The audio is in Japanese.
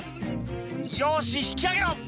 「よし引き上げろ！」